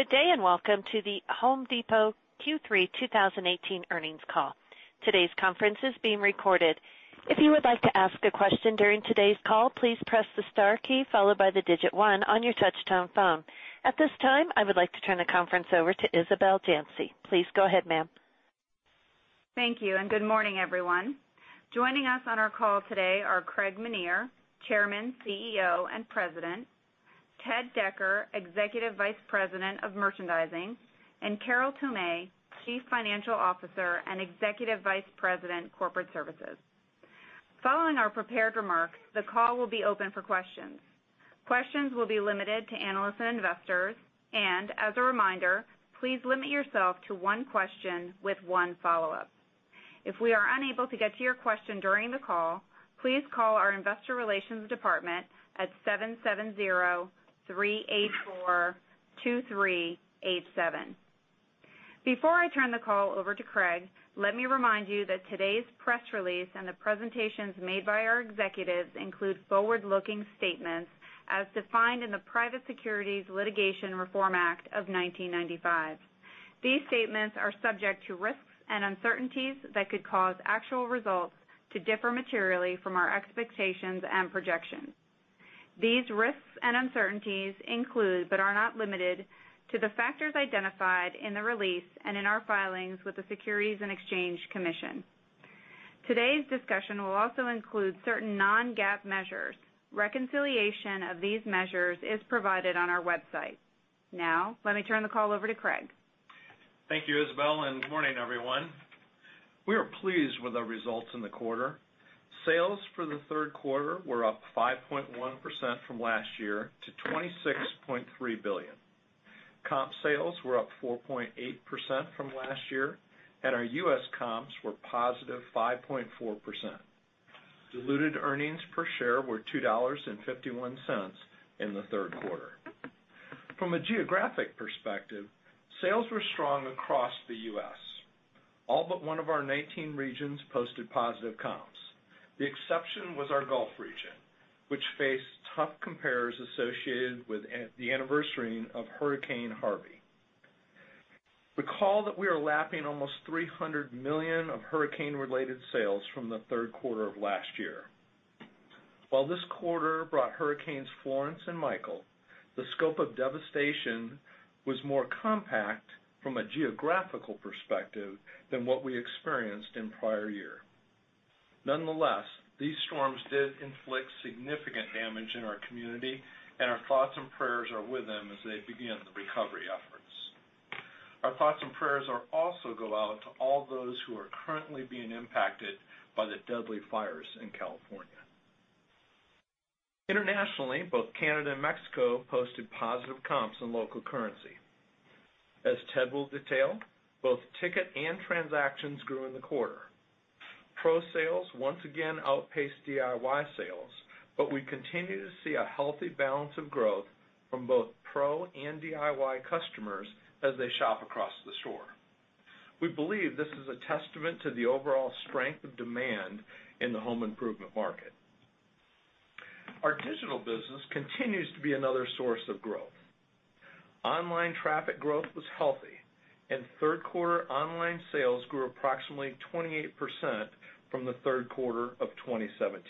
Good day, welcome to The Home Depot Q3 2018 earnings call. Today's conference is being recorded. If you would like to ask a question during today's call, please press the star key followed by 1 on your touch-tone phone. At this time, I would like to turn the conference over to Isabel Janci. Please go ahead, ma'am. Thank you, good morning, everyone. Joining us on our call today are Craig Menear, Chairman, CEO, and President, Ted Decker, Executive Vice President of Merchandising, and Carol Tomé, Chief Financial Officer and Executive Vice President, Corporate Services. Following our prepared remarks, the call will be open for questions. Questions will be limited to analysts and investors. As a reminder, please limit yourself to one question with one follow-up. If we are unable to get to your question during the call, please call our investor relations department at 770-384-2387. Before I turn the call over to Craig, let me remind you that today's press release and the presentations made by our executives include forward-looking statements as defined in the Private Securities Litigation Reform Act of 1995. These statements are subject to risks and uncertainties that could cause actual results to differ materially from our expectations and projections. These risks and uncertainties include, but are not limited to, the factors identified in the release and in our filings with the Securities and Exchange Commission. Today's discussion will also include certain non-GAAP measures. Reconciliation of these measures is provided on our website. Now, let me turn the call over to Craig. Thank you, Isabel, good morning, everyone. We are pleased with our results in the quarter. Sales for the third quarter were up 5.1% from last year to $26.3 billion. Comp sales were up 4.8% from last year. Our U.S. comps were positive 5.4%. Diluted earnings per share were $2.51 in the third quarter. From a geographic perspective, sales were strong across the U.S. All but one of our 19 regions posted positive comps. The exception was our Gulf region, which faced tough comparers associated with the anniversarying of Hurricane Harvey. Recall that we are lapping almost $300 million of hurricane-related sales from the third quarter of last year. While this quarter brought Hurricanes Florence and Michael, the scope of devastation was more compact from a geographical perspective than what we experienced in prior year. Nonetheless, these storms did inflict significant damage in our community, and our thoughts and prayers are with them as they begin the recovery efforts. Our thoughts and prayers also go out to all those who are currently being impacted by the deadly fires in California. Internationally, both Canada and Mexico posted positive comps in local currency. As Ted will detail, both ticket and transactions grew in the quarter. Pro sales once again outpaced DIY sales, but we continue to see a healthy balance of growth from both Pro and DIY customers as they shop across the store. We believe this is a testament to the overall strength of demand in the home improvement market. Our digital business continues to be another source of growth. Online traffic growth was healthy, and third-quarter online sales grew approximately 28% from the third quarter of 2017.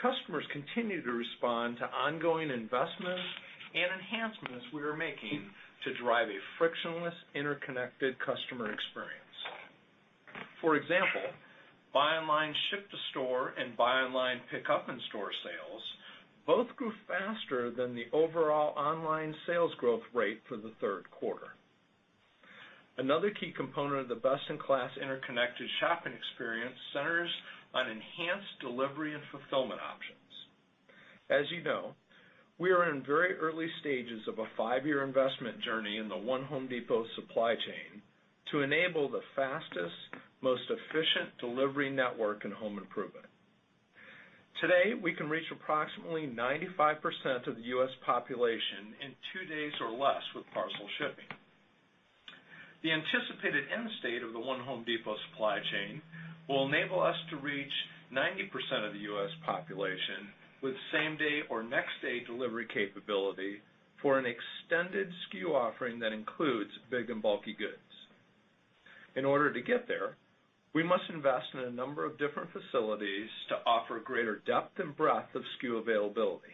Customers continue to respond to ongoing investments and enhancements we are making to drive a frictionless, interconnected customer experience. For example, buy online, ship to store, and buy online, pickup in store sales both grew faster than the overall online sales growth rate for the third quarter. Another key component of the best-in-class interconnected shopping experience centers on enhanced delivery and fulfillment options. As you know, we are in very early stages of a five-year investment journey in the One Home Depot supply chain to enable the fastest, most efficient delivery network in home improvement. Today, we can reach approximately 95% of the U.S. population in two days or less with parcel shipping. The anticipated end state of the One Home Depot supply chain will enable us to reach 90% of the U.S. population with same-day or next-day delivery capability for an extended SKU offering that includes big and bulky goods. In order to get there, we must invest in a number of different facilities to offer greater depth and breadth of SKU availability.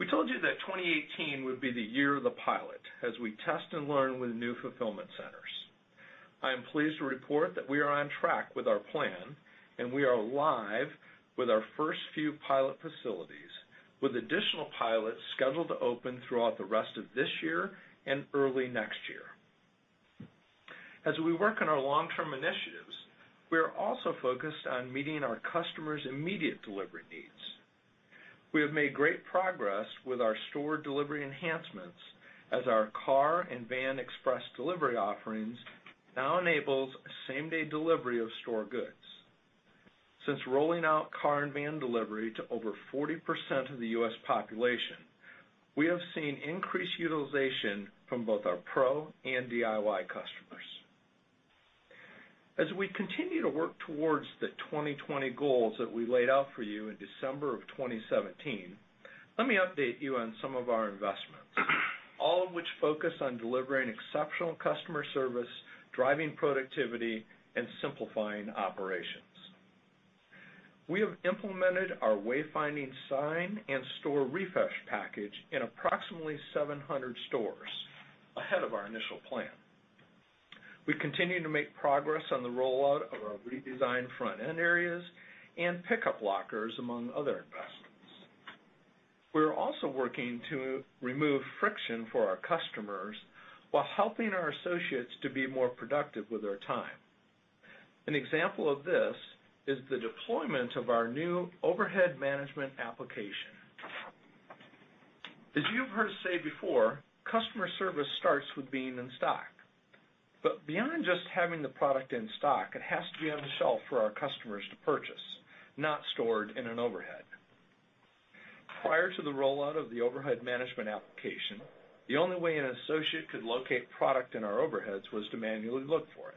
We told you that 2018 would be the year of the pilot as we test and learn with new fulfillment centers. I am pleased to report that we are on track with our plan, and we are live with our first few pilot facilities, with additional pilots scheduled to open throughout the rest of this year and early next year. As we work on our long-term initiatives, we are also focused on meeting our customers' immediate delivery needs. We have made great progress with our store delivery enhancements as our car and van express delivery offerings now enable same-day delivery of store goods. Since rolling out car and van delivery to over 40% of the U.S. population, we have seen increased utilization from both our Pro and DIY customers. As we continue to work towards the 2020 goals that we laid out for you in December of 2017, let me update you on some of our investments, all of which focus on delivering exceptional customer service, driving productivity, and simplifying operations. We have implemented our wayfinding sign and store refresh package in approximately 700 stores ahead of our initial plan. We continue to make progress on the rollout of our redesigned front-end areas and pickup lockers, among other investments. We're also working to remove friction for our customers while helping our associates to be more productive with their time. An example of this is the deployment of our new overhead management application. As you have heard us say before, customer service starts with being in stock. Beyond just having the product in stock, it has to be on the shelf for our customers to purchase, not stored in an overhead. Prior to the rollout of the overhead management application, the only way an associate could locate product in our overheads was to manually look for it.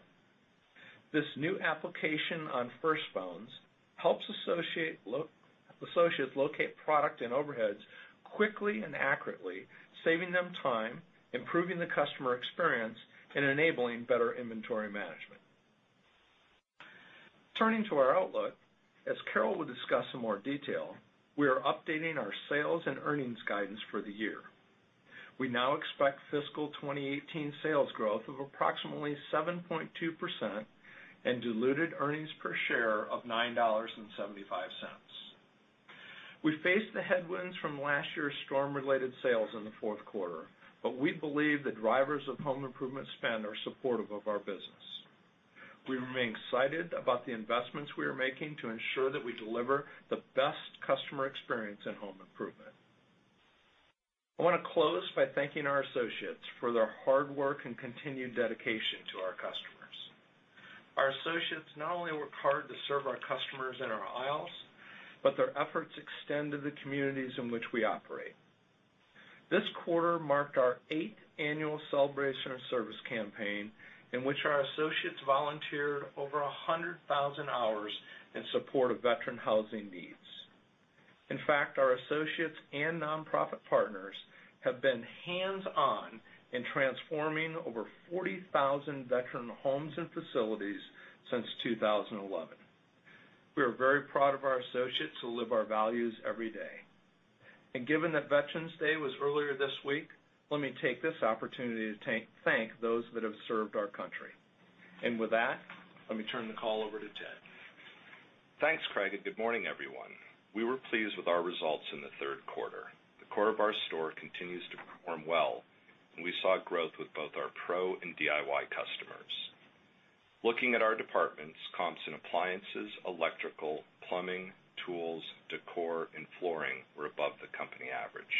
This new application on first phones helps associates locate product and overheads quickly and accurately, saving them time, improving the customer experience, and enabling better inventory management. Turning to our outlook, as Carol will discuss in more detail, we are updating our sales and earnings guidance for the year. We now expect fiscal 2018 sales growth of approximately 7.2% and diluted earnings per share of $9.75. We faced the headwinds from last year's storm-related sales in the fourth quarter, but we believe the drivers of home improvement spend are supportive of our business. We remain excited about the investments we are making to ensure that we deliver the best customer experience in home improvement. I want to close by thanking our associates for their hard work and continued dedication to our customers. Our associates not only work hard to serve our customers in our aisles, but their efforts extend to the communities in which we operate. This quarter marked our eighth annual Celebration of Service campaign, in which our associates volunteered over 100,000 hours in support of veteran housing needs. In fact, our associates and nonprofit partners have been hands-on in transforming over 40,000 veteran homes and facilities since 2011. We are very proud of our associates who live our values every day. Given that Veterans Day was earlier this week, let me take this opportunity to thank those that have served our country. With that, let me turn the call over to Ted. Thanks, Craig, good morning, everyone. We were pleased with our results in the third quarter. The core of our store continues to perform well, we saw growth with both our pro and DIY customers. Looking at our departments, comps and appliances, electrical, plumbing, tools, decor, and flooring were above the company average.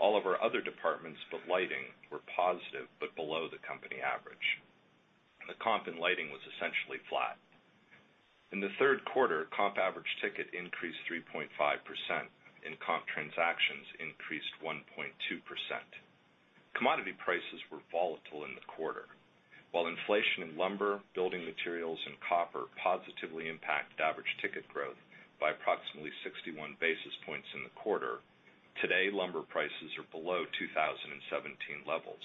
All of our other departments but lighting were positive, but below the company average. The comp in lighting was essentially flat. In the third quarter, comp average ticket increased 3.5%, comp transactions increased 1.2%. Commodity prices were volatile in the quarter. While inflation in lumber, building materials, and copper positively impacted average ticket growth by approximately 61 basis points in the quarter, today lumber prices are below 2017 levels.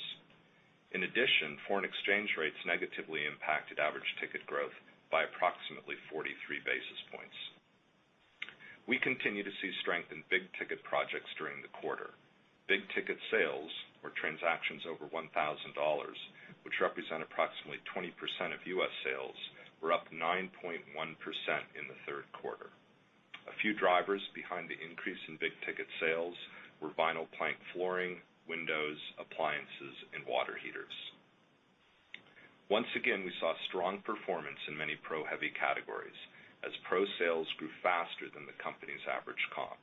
In addition, foreign exchange rates negatively impacted average ticket growth by approximately 43 basis points. We continue to see strength in big-ticket projects during the quarter. Big-ticket sales or transactions over $1,000, which represent approximately 20% of U.S. sales, were up 9.1% in the third quarter. A few drivers behind the increase in big-ticket sales were vinyl plank flooring, windows, appliances, and water heaters. Once again, we saw strong performance in many pro-heavy categories as pro sales grew faster than the company's average comp.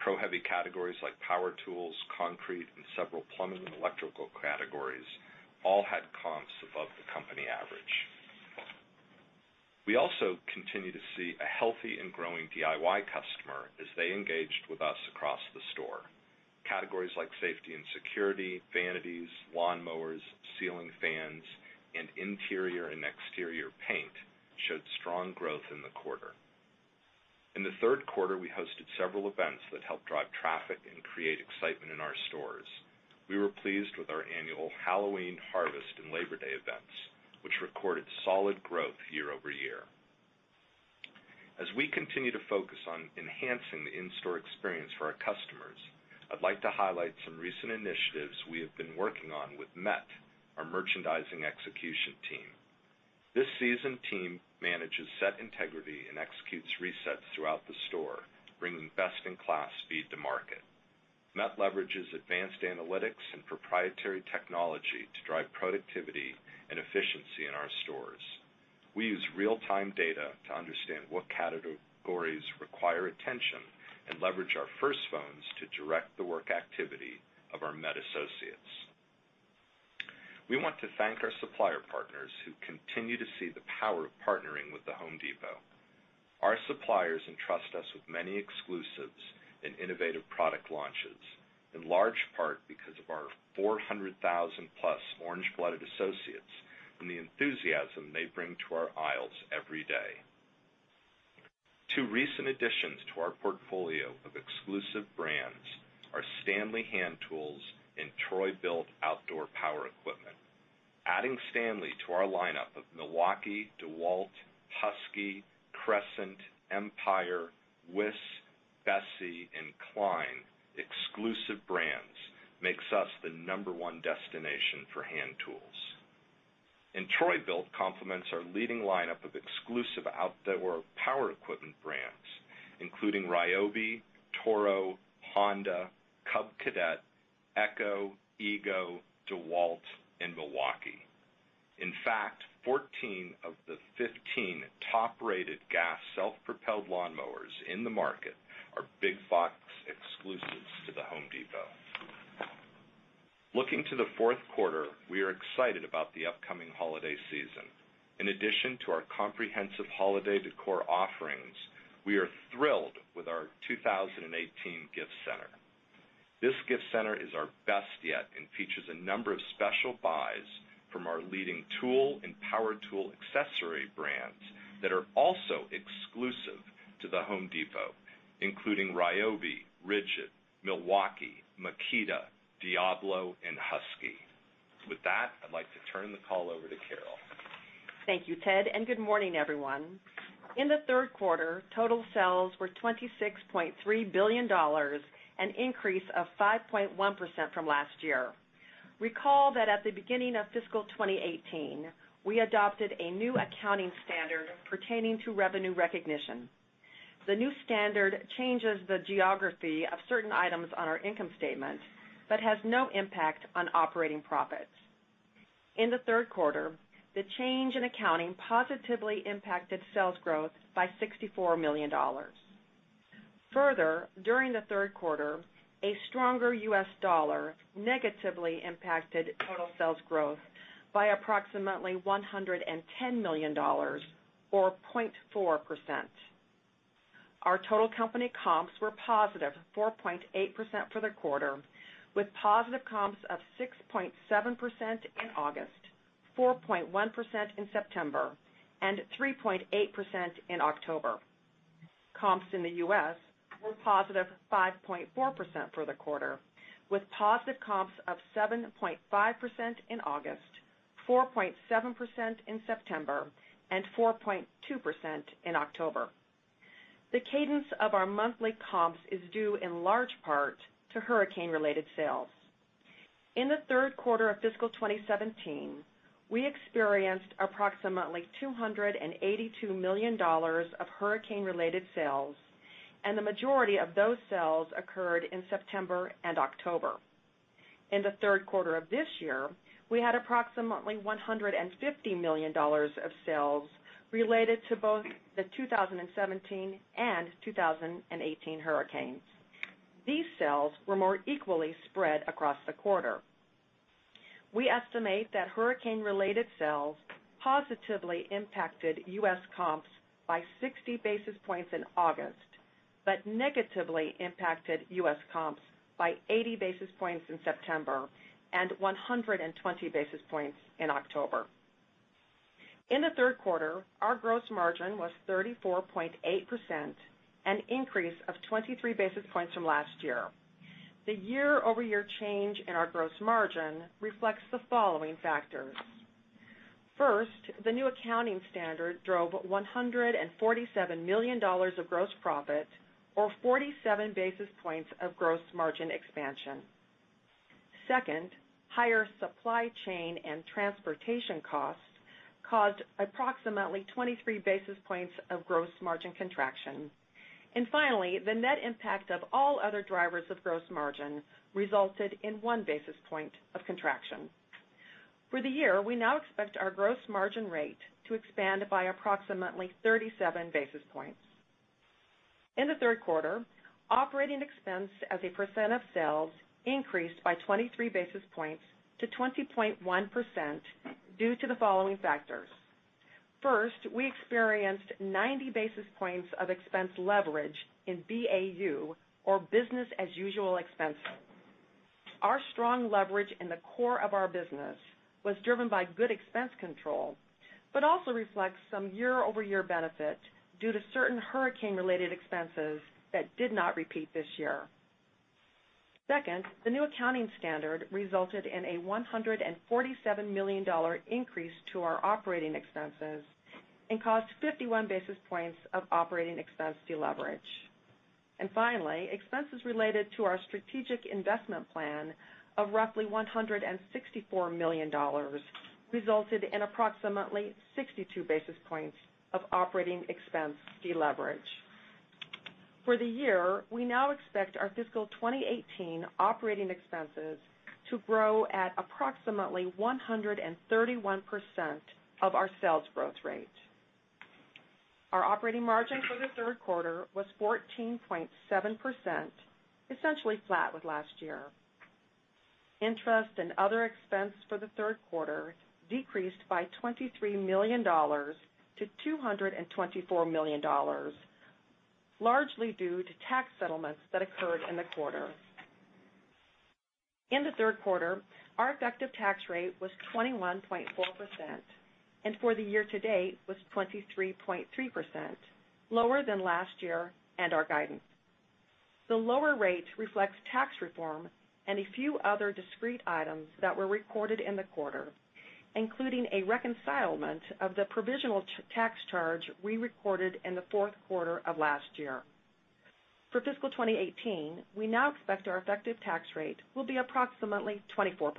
Pro-heavy categories like power tools, concrete, and several plumbing and electrical categories all had comps above the company average. We also continue to see a healthy and growing DIY customer as they engaged with us across the store. Categories like safety and security, vanities, lawnmowers, ceiling fans, and interior and exterior paint showed strong growth in the quarter. In the third quarter, we hosted several events that helped drive traffic and create excitement in our stores. We were pleased with our annual Halloween Harvest and Labor Day events, which recorded solid growth year-over-year. As we continue to focus on enhancing the in-store experience for our customers, I'd like to highlight some recent initiatives we have been working on with MET, our merchandising execution team. This seasoned team manages set integrity and executes resets throughout the store, bringing best-in-class speed to market. MET leverages advanced analytics and proprietary technology to drive productivity and efficiency in our stores. We use real-time data to understand what categories require attention and leverage our first phones to direct the work activity of our MET associates. We want to thank our supplier partners who continue to see the power of partnering with The Home Depot. Our suppliers entrust us with many exclusives and innovative product launches, in large part because of our 400,000-plus Orange-blooded associates and the enthusiasm they bring to our aisles every day. Two recent additions to our portfolio of exclusive brands are Stanley Hand Tools and Troy-Bilt Outdoor Power Equipment. Adding Stanley to our lineup of Milwaukee, DeWalt, Husky, Crescent, Empire, Wiss, Bessey, and Klein exclusive brands makes us the number one destination for hand tools. Troy-Bilt complements our leading lineup of exclusive outdoor power equipment brands, including Ryobi, Toro, Honda, Cub Cadet, ECHO, EGO, DeWalt, and Milwaukee. In fact, 14 of the 15 top-rated gas self-propelled lawn mowers in the market are big box exclusives to The Home Depot. Looking to the fourth quarter, we are excited about the upcoming holiday season. In addition to our comprehensive holiday decor offerings, we are thrilled with our 2018 gift center. This gift center is our best yet and features a number of special buys from our leading tool and power tool accessory brands that are also exclusive to The Home Depot, including Ryobi, Ridgid, Milwaukee, Makita, Diablo, and Husky. With that, I'd like to turn the call over to Carol. Thank you, Ted, and good morning, everyone. In the third quarter, total sales were $26.3 billion, an increase of 5.1% from last year. Recall that at the beginning of fiscal 2018, we adopted a new accounting standard pertaining to revenue recognition. The new standard changes the geography of certain items on our income statement but has no impact on operating profits. In the third quarter, the change in accounting positively impacted sales growth by $64 million. Further, during the third quarter, a stronger U.S. dollar negatively impacted total sales growth by approximately $110 million, or 0.4%. Our total company comps were positive 4.8% for the quarter, with positive comps of 6.7% in August, 4.1% in September, and 3.8% in October. Comps in the U.S. were positive 5.4% for the quarter, with positive comps of 7.5% in August, 4.7% in September, and 4.2% in October. The cadence of our monthly comps is due in large part to hurricane-related sales. In the third quarter of fiscal 2017, we experienced approximately $282 million of hurricane-related sales. The majority of those sales occurred in September and October. In the third quarter of this year, we had approximately $150 million of sales related to both the 2017 and 2018 hurricanes. These sales were more equally spread across the quarter. We estimate that hurricane-related sales positively impacted U.S. comps by 60 basis points in August. Negatively impacted U.S. comps by 80 basis points in September and 120 basis points in October. In the third quarter, our gross margin was 34.8%, an increase of 23 basis points from last year. The year-over-year change in our gross margin reflects the following factors. First, the new accounting standard drove $147 million of gross profit, or 47 basis points of gross margin expansion. Second, higher supply chain and transportation costs caused approximately 23 basis points of gross margin contraction. Finally, the net impact of all other drivers of gross margin resulted in one basis point of contraction. For the year, we now expect our gross margin rate to expand by approximately 37 basis points. In the third quarter, operating expense as a percent of sales increased by 23 basis points to 20.1% due to the following factors. First, we experienced 90 basis points of expense leverage in BAU, or business-as-usual expenses. Our strong leverage in the core of our business was driven by good expense control, but also reflects some year-over-year benefit due to certain hurricane-related expenses that did not repeat this year. Second, the new accounting standard resulted in a $147 million increase to our operating expenses and caused 51 basis points of operating expense deleverage. Finally, expenses related to our strategic investment plan of roughly $164 million resulted in approximately 62 basis points of operating expense deleverage. For the year, we now expect our fiscal 2018 operating expenses to grow at approximately 131% of our sales growth rate. Our operating margin for the third quarter was 14.7%, essentially flat with last year. Interest and other expense for the third quarter decreased by $23 million to $224 million, largely due to tax settlements that occurred in the quarter. In the third quarter, our effective tax rate was 21.4%, and for the year to date was 23.3%, lower than last year and our guidance. The lower rate reflects tax reform and a few other discrete items that were recorded in the quarter, including a reconcilement of the provisional tax charge we recorded in the fourth quarter of last year. For fiscal 2018, we now expect our effective tax rate will be approximately 24%.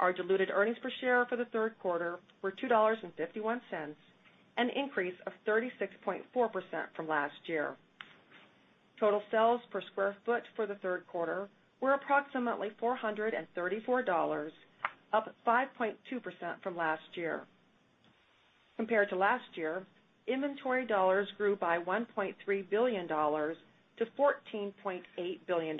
Our diluted earnings per share for the third quarter were $2.51, an increase of 36.4% from last year. Total sales per square foot for the third quarter were approximately $434, up 5.2% from last year. Compared to last year, inventory dollars grew by $1.3 billion to $14.8 billion,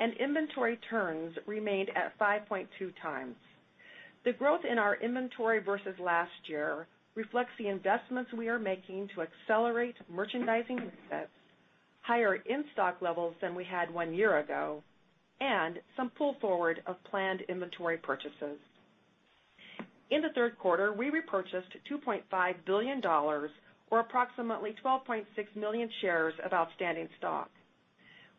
and inventory turns remained at 5.2 times. The growth in our inventory versus last year reflects the investments we are making to accelerate merchandising mix, higher in-stock levels than we had one year ago, and some pull forward of planned inventory purchases. In the third quarter, we repurchased $2.5 billion, or approximately 12.6 million shares of outstanding stock.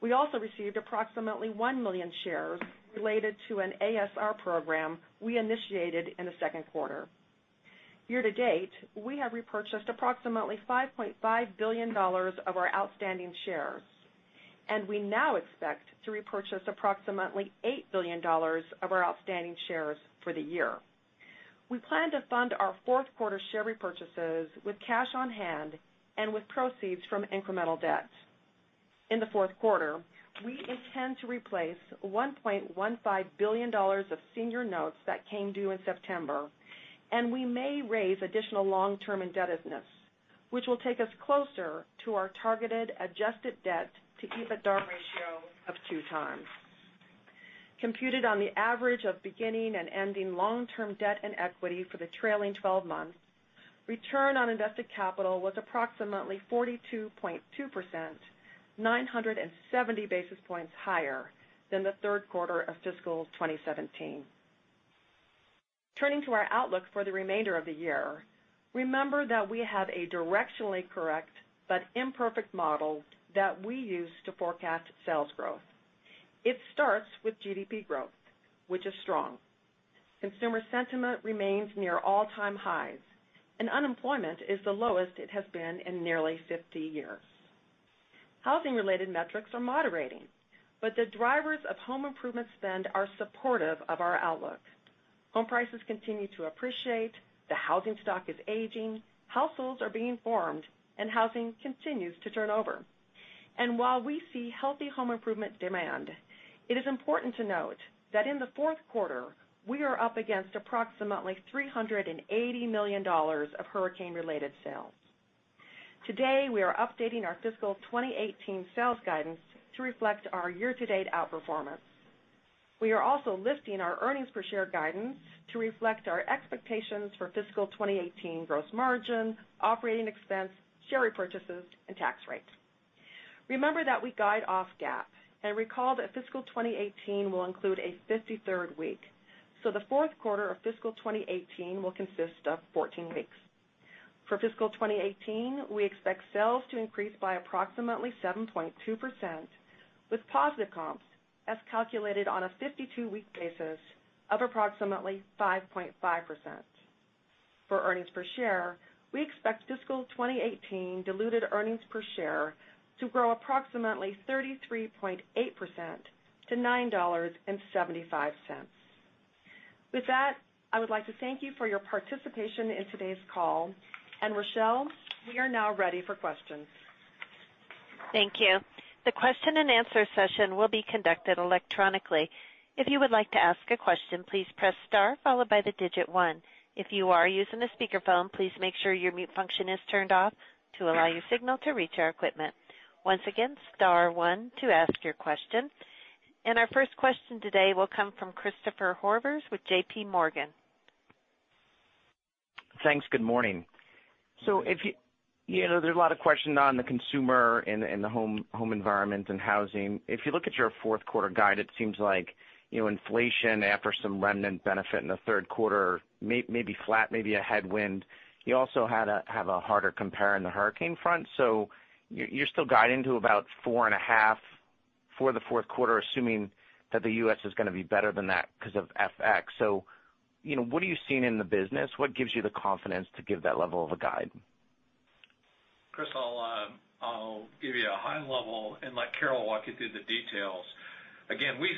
We also received approximately 1 million shares related to an ASR program we initiated in the second quarter. Year-to-date, we have repurchased approximately $5.5 billion of our outstanding shares. We now expect to repurchase approximately $8 billion of our outstanding shares for the year. We plan to fund our fourth quarter share repurchases with cash on hand and with proceeds from incremental debt. In the fourth quarter, we intend to replace $1.15 billion of senior notes that came due in September. We may raise additional long-term indebtedness, which will take us closer to our targeted adjusted debt to EBITDA ratio of two times. Computed on the average of beginning and ending long-term debt and equity for the trailing 12 months, return on invested capital was approximately 42.2%, 970 basis points higher than the third quarter of fiscal 2017. Turning to our outlook for the remainder of the year, remember that we have a directionally correct but imperfect model that we use to forecast sales growth. It starts with GDP growth, which is strong. Consumer sentiment remains near all-time highs. Unemployment is the lowest it has been in nearly 50 years. Housing-related metrics are moderating. The drivers of home improvement spend are supportive of our outlook. Home prices continue to appreciate, the housing stock is aging, households are being formed. Housing continues to turn over. While we see healthy home improvement demand, it is important to note that in the fourth quarter, we are up against approximately $380 million of hurricane-related sales. Today, we are updating our fiscal 2018 sales guidance to reflect our year-to-date outperformance. We are also lifting our earnings per share guidance to reflect our expectations for fiscal 2018 gross margin, operating expense, share repurchases, and tax rates. Remember that we guide off GAAP. Recall that fiscal 2018 will include a 53rd week. The fourth quarter of fiscal 2018 will consist of 14 weeks. For fiscal 2018, we expect sales to increase by approximately 7.2%, with positive comps as calculated on a 52-week basis of approximately 5.5%. For earnings per share, we expect fiscal 2018 diluted earnings per share to grow approximately 33.8% to $9.75. With that, I would like to thank you for your participation in today's call. Rochelle, we are now ready for questions. Thank you. The question and answer session will be conducted electronically. If you would like to ask a question, please press star followed by the digit 1. If you are using a speakerphone, please make sure your mute function is turned off to allow your signal to reach our equipment. Once again, star 1 to ask your question. Our first question today will come from Christopher Horvers with JPMorgan. Thanks. Good morning. There's a lot of questions on the consumer and the home environment and housing. If you look at your fourth quarter guide, it seems like inflation after some remnant benefit in the third quarter, maybe flat, maybe a headwind. You also have a harder compare in the hurricane front. You're still guiding to about four and a half for the fourth quarter, assuming that the U.S. is going to be better than that because of FX. What are you seeing in the business? What gives you the confidence to give that level of a guide? Chris, I'll give you a high level and let Carol walk you through the details. Again, we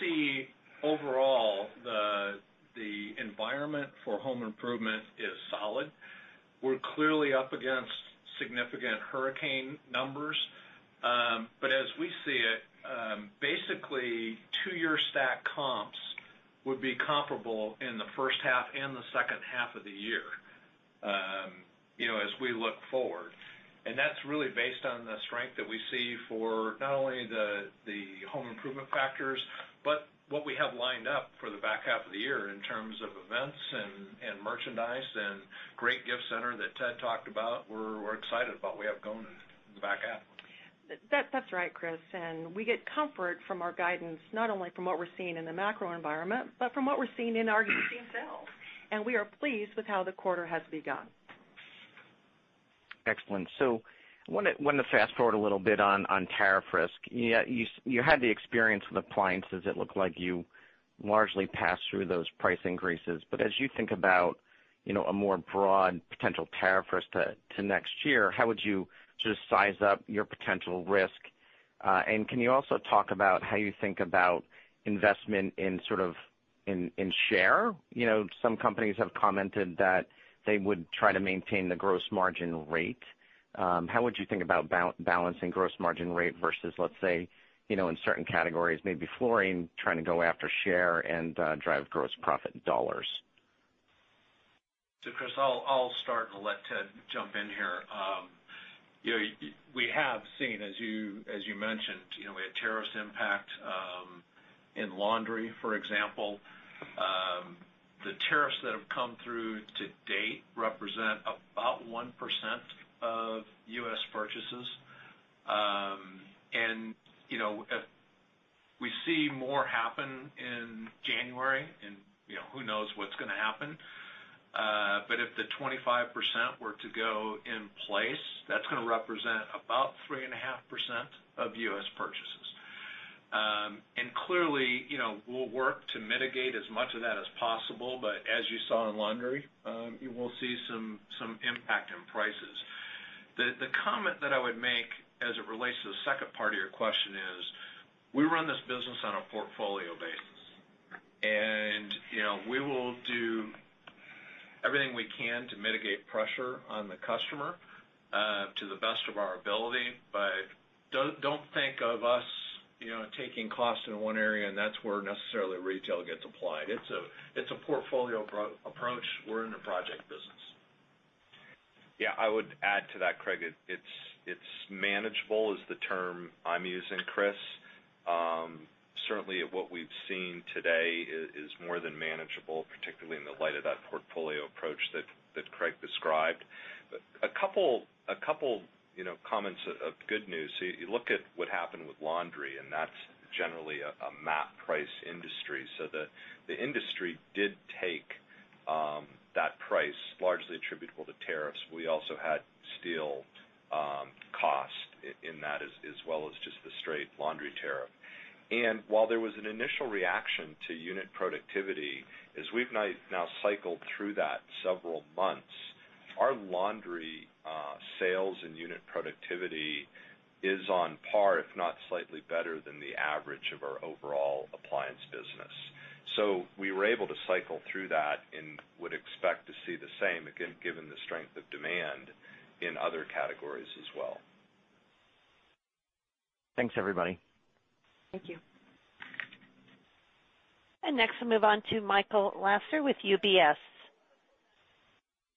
see overall, the environment for home improvement is solid. We're clearly up against significant hurricane numbers. As we see it, basically, two-year stack comps Would be comparable in the first half and the second half of the year as we look forward. That's really based on the strength that we see for not only the home improvement factors, but what we have lined up for the back half of the year in terms of events and merchandise and great gift center that Ted talked about, we're excited about we have going in the back half. That's right, Chris. We get comfort from our guidance, not only from what we're seeing in the macro environment, but from what we're seeing in our sales. We are pleased with how the quarter has begun. Excellent. I wanted to fast-forward a little bit on tariff risk. You had the experience with appliances. It looked like you largely passed through those price increases. As you think about a more broad potential tariff risk to next year, how would you just size up your potential risk? Can you also talk about how you think about investment in share? Some companies have commented that they would try to maintain the gross margin rate. How would you think about balancing gross margin rate versus, let's say, in certain categories, maybe flooring, trying to go after share and drive gross profit dollars? Chris, I'll start and let Ted jump in here. We have seen, as you mentioned, we had a tariff's impact in laundry, for example. The tariffs that have come through to date represent about 1% of U.S. purchases. If we see more happen in January and who knows what's going to happen. If the 25% were to go in place, that's going to represent about 3.5% of U.S. purchases. Clearly, we'll work to mitigate as much of that as possible, but as you saw in laundry, you will see some impact on prices. The comment that I would make as it relates to the second part of your question is, we run this business on a portfolio basis. We will do everything we can to mitigate pressure on the customer to the best of our ability. Don't think of us taking costs in one area and that's where necessarily retail gets applied. It's a portfolio approach. We're in the project business. Yeah, I would add to that, Craig. It's manageable is the term I'm using, Chris. Certainly, what we've seen today is more than manageable, particularly in the light of that portfolio approach that Craig described. A couple comments of good news. You look at what happened with laundry, and that's generally a MAP price industry. The industry did take that price largely attributable to tariffs. We also had steel cost in that as well as just the straight laundry tariff. While there was an initial reaction to unit productivity, as we've now cycled through that several months, our laundry sales and unit productivity is on par, if not slightly better than the average of our overall appliance business. We were able to cycle through that and would expect to see the same again, given the strength of demand in other categories as well. Thanks, everybody. Thank you. Next, we'll move on to Michael Lasser with UBS.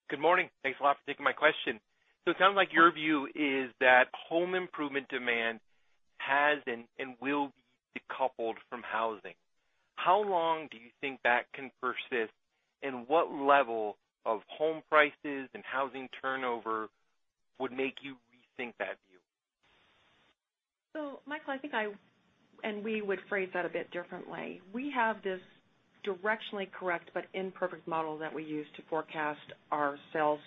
Good morning. Thanks a lot for taking my question. It sounds like your view is that home improvement demand has and will be decoupled from housing. How long do you think that can persist and what level of home prices and housing turnover would make you rethink that view? Michael, I think I, and we would phrase that a bit differently. We have this directionally correct but imperfect model that we use to forecast our sales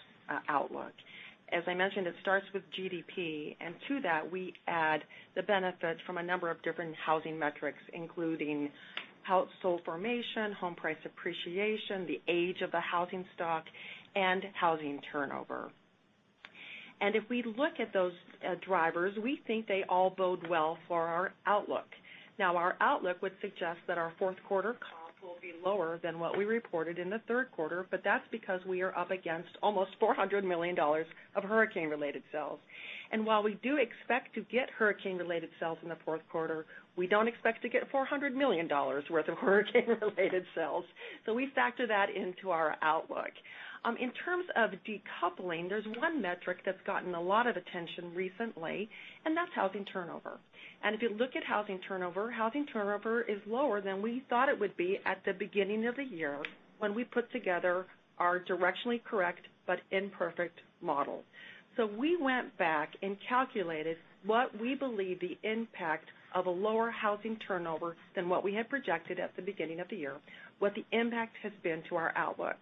outlook. As I mentioned, it starts with GDP, to that, we add the benefits from a number of different housing metrics, including household formation, home price appreciation, the age of the housing stock, and housing turnover. If we look at those drivers, we think they all bode well for our outlook. Our outlook would suggest that our fourth quarter comp will be lower than what we reported in the third quarter, but that's because we are up against almost $400 million of hurricane-related sales. While we do expect to get hurricane-related sales in the fourth quarter, we don't expect to get $400 million worth of hurricane-related sales. We factor that into our outlook. In terms of decoupling, there's one metric that's gotten a lot of attention recently, and that's housing turnover. If you look at housing turnover, housing turnover is lower than we thought it would be at the beginning of the year when we put together our directionally correct but imperfect model. We went back and calculated what we believe the impact of a lower housing turnover than what we had projected at the beginning of the year, what the impact has been to our outlook.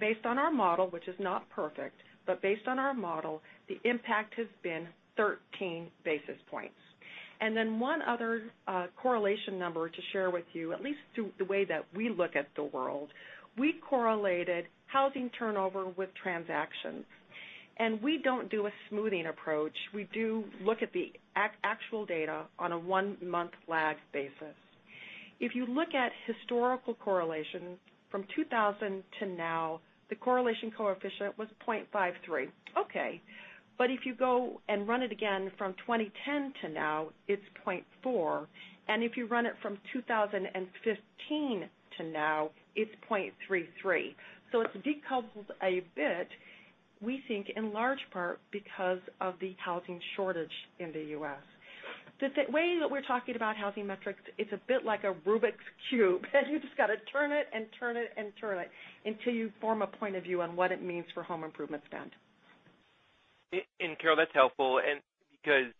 Based on our model, which is not perfect, but based on our model, the impact has been 13 basis points. Then one other correlation number to share with you, at least through the way that we look at the world, we correlated housing turnover with transactions. We don't do a smoothing approach. We do look at the actual data on a one-month lag basis. If you look at historical correlation from 2000 to now, the correlation coefficient was 0.53. Okay. But if you go and run it again from 2010 to now, it is 0.4, if you run it from 2015 to now, it is 0.33. It is decoupled a bit, we think, in large part because of the housing shortage in the U.S. The way that we are talking about housing metrics, it is a bit like a Rubik's Cube, you just got to turn it and turn it and turn it until you form a point of view on what it means for home improvement spend. Carol, that is helpful because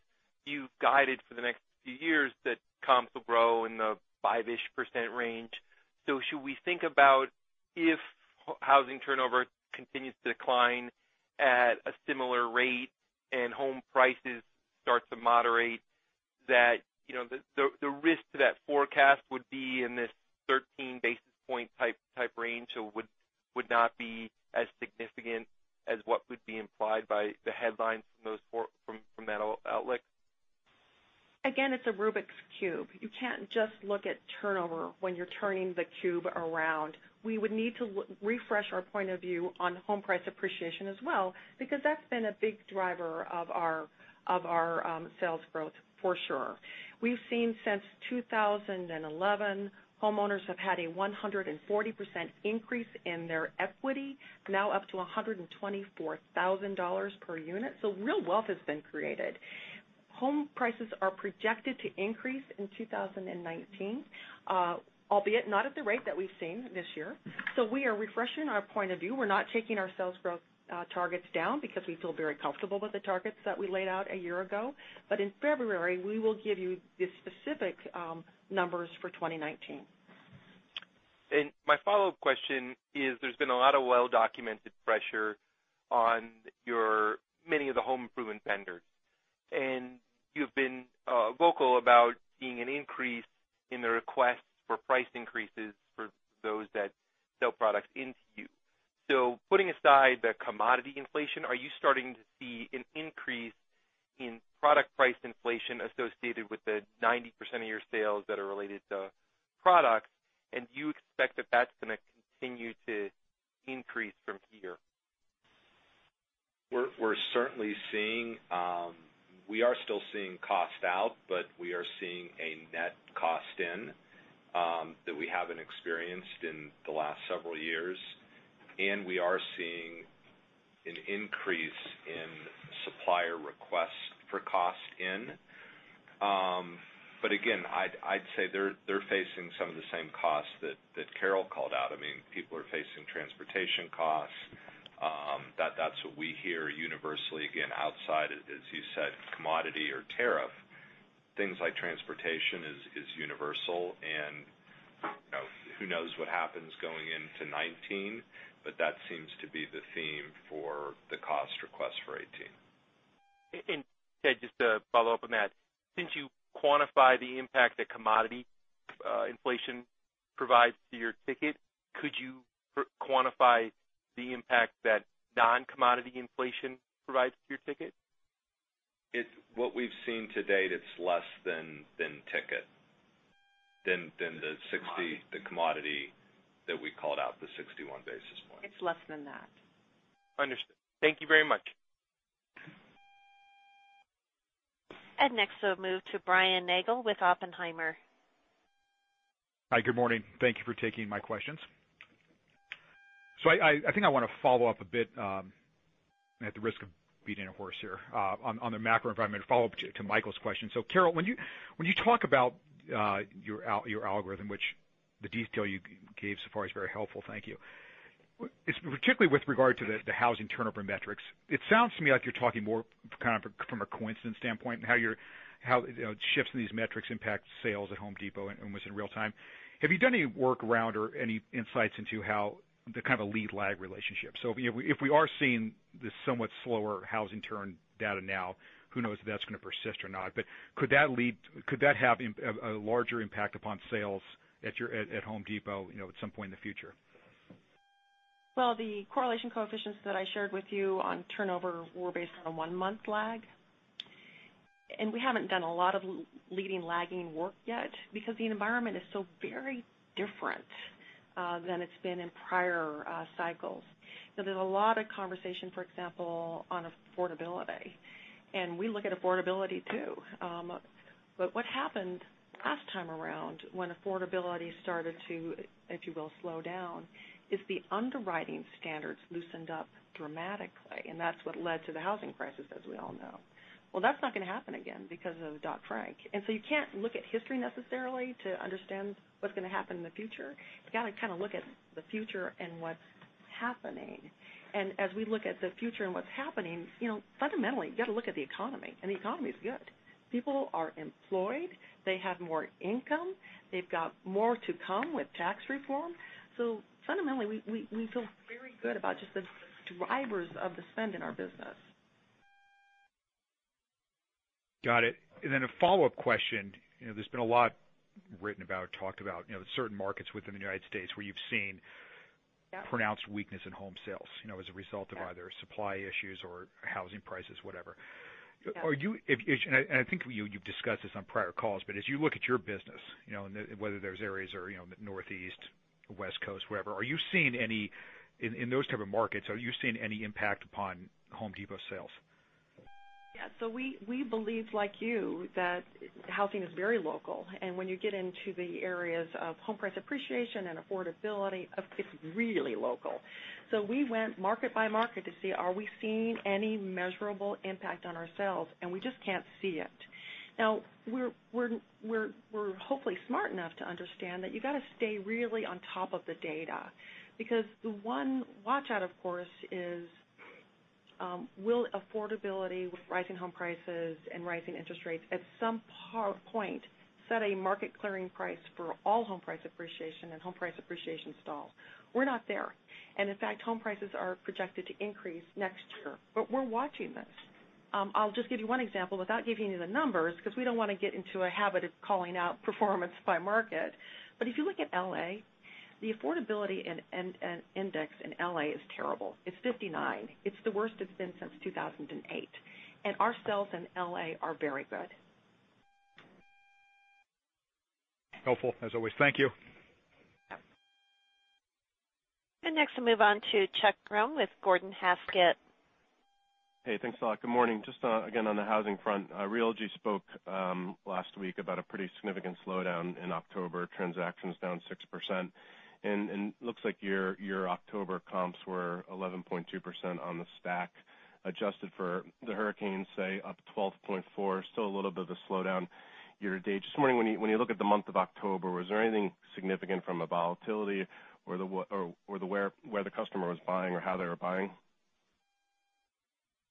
you have guided for the next few years that comps will grow in the 5-ish% range. Should we think about if housing turnover continues to decline at a similar rate and home prices start to moderate, that the risk to that forecast would be in this 13 basis point type range? Would not be as significant as what would be implied by the headlines from that outlook? Again, it is a Rubik's Cube. You cannot just look at turnover when you are turning the cube around. We would need to refresh our point of view on home price appreciation as well, because that has been a big driver of our sales growth, for sure. We have seen since 2011, homeowners have had a 140% increase in their equity, now up to $124,000 per unit. Real wealth has been created. Home prices are projected to increase in 2019, albeit not at the rate that we have seen this year. We are refreshing our point of view. We are not taking our sales growth targets down because we feel very comfortable with the targets that we laid out a year ago. In February, we will give you the specific numbers for 2019. My follow-up question is, there has been a lot of well-documented pressure on many of the home improvement vendors, you have been vocal about seeing an increase in the requests for price increases for those that sell products into you. Putting aside the commodity inflation, are you starting to see an increase in product price inflation associated with the 90% of your sales that are related to products? Do you expect that that is going to continue to increase from here? We are still seeing cost out, but we are seeing a net cost in that we haven't experienced in the last several years. We are seeing an increase in supplier requests for cost in. Again, I'd say they're facing some of the same costs that Carol called out. People are facing transportation costs. That's what we hear universally, again, outside, as you said, commodity or tariff. Things like transportation is universal, and who knows what happens going into 2019. That seems to be the theme for the cost request for 2018. Ted, just to follow up on that, since you quantify the impact that commodity inflation provides to your ticket, could you quantify the impact that non-commodity inflation provides to your ticket? What we've seen to date, it's less than ticket, than the commodity that we called out, the 61 basis point. It's less than that. Understood. Thank you very much. Next, we'll move to Brian Nagel with Oppenheimer. Hi, good morning. Thank you for taking my questions. I think I want to follow up a bit, at the risk of beating a horse here, on the macro environment, follow up to Michael's question. Carol, when you talk about your algorithm, which the detail you gave so far is very helpful, thank you. It's particularly with regard to the housing turnover metrics. It sounds to me like you're talking more from a coincidence standpoint and how shifts in these metrics impact sales at The Home Depot and within real time. Have you done any work around or any insights into how the lead lag relationship? If we are seeing this somewhat slower housing turn data now, who knows if that's going to persist or not. Could that have a larger impact upon sales at The Home Depot at some point in the future? The correlation coefficients that I shared with you on turnover were based on a one-month lag. We haven't done a lot of leading lagging work yet because the environment is so very different than it's been in prior cycles. There's a lot of conversation, for example, on affordability. We look at affordability, too. What happened last time around when affordability started to, if you will, slow down, is the underwriting standards loosened up dramatically, and that's what led to the housing crisis, as we all know. That's not going to happen again because of Dodd-Frank, you can't look at history necessarily to understand what's going to happen in the future. You got to look at the future and what's happening. As we look at the future and what's happening, fundamentally, you got to look at the economy, and the economy is good. People are employed, they have more income, they've got more to come with tax reform. Fundamentally, we feel very good about just the drivers of the spend in our business. Got it. A follow-up question. There's been a lot written about, talked about, certain markets within the United States where you've seen- Yeah. -pronounced weakness in home sales, as a result of either supply issues or housing prices, whatever. I think you've discussed this on prior calls, as you look at your business, whether those areas are Northeast, West Coast, wherever, are you seeing any, in those type of markets, are you seeing any impact upon Home Depot sales? We believe, like you, that housing is very local, and when you get into the areas of home price appreciation and affordability, it's really local. We went market by market to see, are we seeing any measurable impact on our sales, and we just can't see it. We're hopefully smart enough to understand that you got to stay really on top of the data, because the one watch-out, of course, is will affordability with rising home prices and rising interest rates at some point set a market clearing price for all home price appreciation and home price appreciation stalls. We're not there, and in fact, home prices are projected to increase next year. We're watching this. I'll just give you one example, without giving you the numbers, because we don't want to get into a habit of calling out performance by market. If you look at L.A., the affordability index in L.A. is terrible. It's 59. It's the worst it's been since 2008. Our sales in L.A. are very good. Helpful, as always. Thank you. Yeah. Next we'll move on to Chuck Grom with Gordon Haskett. Hey, thanks a lot. Good morning. Just again, on the housing front, Realogy spoke last week about a pretty significant slowdown in October, transactions down 6%. Looks like your October comps were 11.2% on the stack, adjusted for the hurricane, say up 12.4%, still a little bit of a slowdown year-to-date. Just wondering, when you look at the month of October, was there anything significant from a volatility or where the customer was buying or how they were buying?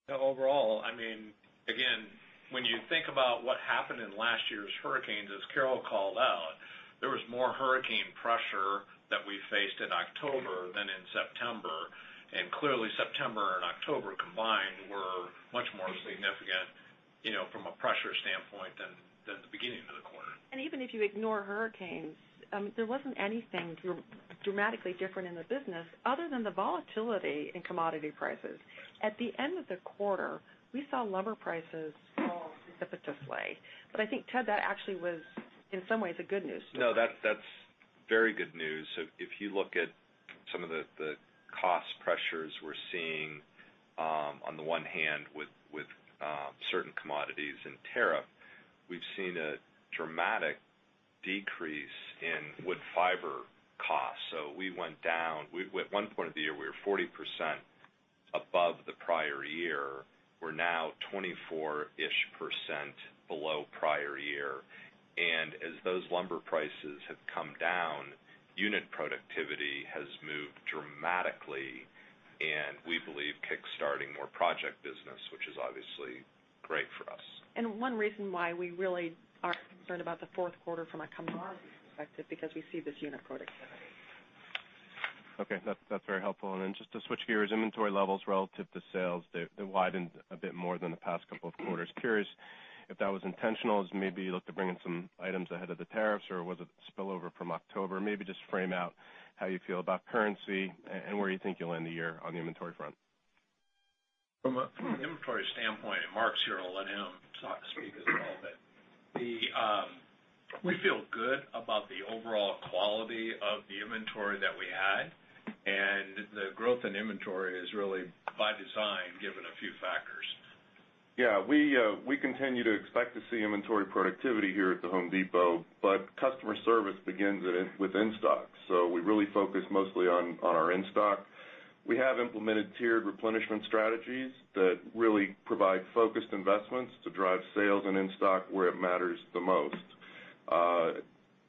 No. Overall, again, when you think about what happened in last year's hurricanes, as Carol called out, there was more hurricane pressure that we faced in October than in September. Clearly September and October combined were much more significant from a pressure standpoint than the beginning of the quarter. Even if you ignore hurricanes, there wasn't anything dramatically different in the business other than the volatility in commodity prices. At the end of the quarter, we saw lumber prices fall precipitously. I think, Ted, that actually was, in some ways, a good news story. No, that's very good news. If you look at some of the cost pressures we're seeing on the one hand with certain commodities and tariff, we've seen a dramatic decrease in wood fiber costs. At one point of the year, we were 40% above the prior year. We're now 24-ish percent below prior year. As those lumber prices have come down, unit productivity has moved dramatically, and we believe kickstarting more project business, which is obviously great for us. One reason why we really aren't concerned about the fourth quarter from a commodity perspective, because we see this unit productivity. Okay. That's very helpful. Just to switch gears, inventory levels relative to sales, they widened a bit more than the past couple of quarters. Curious if that was intentional, as maybe you look to bring in some items ahead of the tariffs, or was it spillover from October? Maybe just frame out how you feel about currency and where you think you'll end the year on the inventory front. From an inventory standpoint, and Mark's here, I'll let him speak as well, but we feel good about the overall quality of the inventory that we had, and the growth in inventory is really by design, given a few factors. We continue to expect to see inventory productivity here at The Home Depot, customer service begins with in-stock. We really focus mostly on our in-stock. We have implemented tiered replenishment strategies that really provide focused investments to drive sales and in-stock where it matters the most.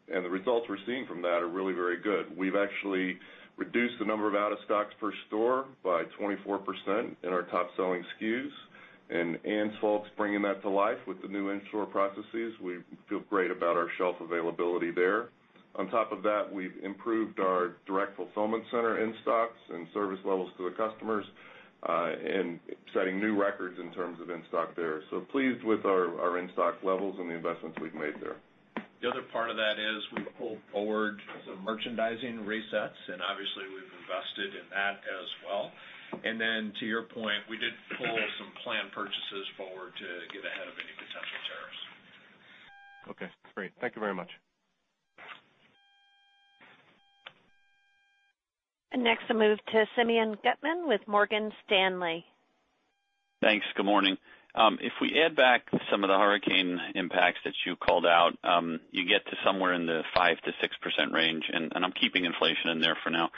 The results we're seeing from that are really very good. We've actually reduced the number of out-of-stocks per store by 24% in our top-selling SKUs. Anne's folks bringing that to life with the new in-store processes. We feel great about our shelf availability there. On top of that, we've improved our direct fulfillment center in-stocks and service levels to the customers, and setting new records in terms of in-stock there. Pleased with our in-stock levels and the investments we've made there. The other part of that is we pulled forward some merchandising resets, obviously we've invested in that as well. Then to your point, we did pull some planned purchases forward to get ahead of any potential tariffs. Okay, great. Thank you very much. Next we'll move to Simeon Gutman with Morgan Stanley. Thanks. Good morning. If we add back some of the hurricane impacts that you called out, you get to somewhere in the 5%-6% range, and I'm keeping inflation in there for now.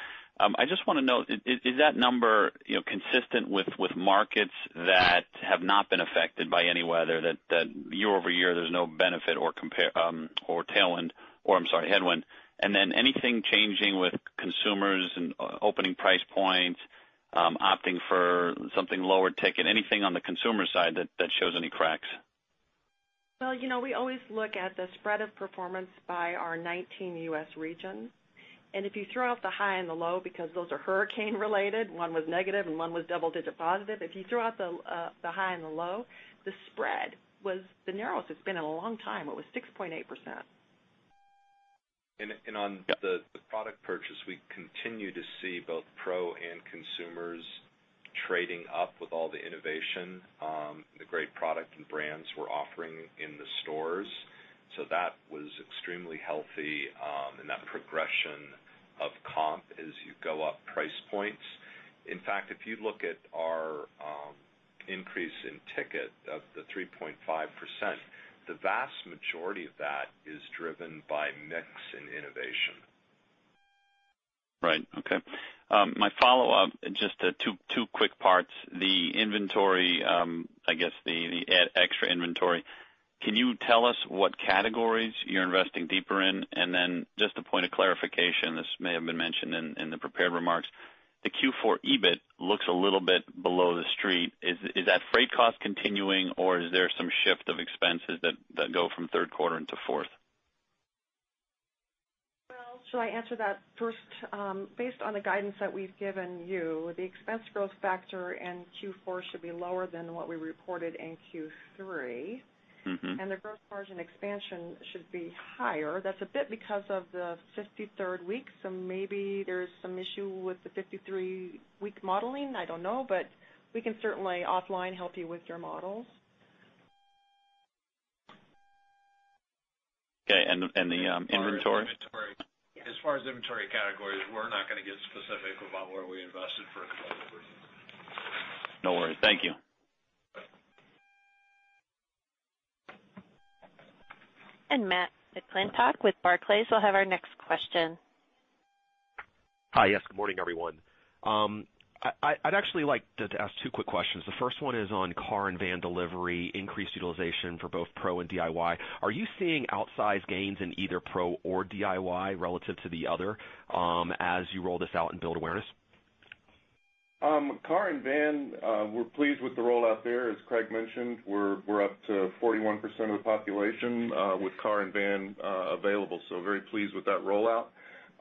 I just want to know, is that number consistent with markets that have not been affected by any weather, that year-over-year there's no benefit or tailwind or, I'm sorry, headwind? Then anything changing with consumers and opening price points, opting for something lower ticket, anything on the consumer side that shows any cracks? Well, we always look at the spread of performance by our 19 U.S. regions. If you throw out the high and the low because those are hurricane related, one was negative and one was double-digit positive. If you throw out the high and the low, the spread was the narrowest it's been in a long time. It was 6.8%. On the product purchase, we continue to see both pro and consumers trading up with all the innovation, the great product and brands we're offering in the stores. That was extremely healthy. That progression of comp as you go up price points. In fact, if you look at our increase in ticket of the 3.5%, the vast majority of that is driven by mix and innovation. Right. Okay. My follow-up, just two quick parts. The inventory, I guess, the extra inventory, can you tell us what categories you're investing deeper in? Just a point of clarification, this may have been mentioned in the prepared remarks. The Q4 EBIT looks a little bit below the street. Is that freight cost continuing, or is there some shift of expenses that go from third quarter into fourth? Well, shall I answer that first? Based on the guidance that we've given you, the expense growth factor in Q4 should be lower than what we reported in Q3. The growth margin expansion should be higher. That's a bit because of the 53rd week. Maybe there's some issue with the 53-week modeling, I don't know. We can certainly offline help you with your models. Okay, the inventory? As far as inventory categories, we're not going to get specific about where we invested for the quarter. No worries. Thank you. Matt McClintock with Barclays will have our next question. Hi, yes, good morning, everyone. I'd actually like to ask two quick questions. The first one is on car and van delivery, increased utilization for both pro and DIY. Are you seeing outsized gains in either pro or DIY relative to the other, as you roll this out and build awareness? Car and van, we're pleased with the rollout there. As Craig mentioned, we're up to 41% of the population with car and van available. Very pleased with that rollout.